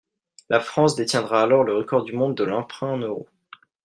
La France détiendra alors le record du monde de l’emprunt en euros.